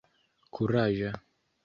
kuraĝa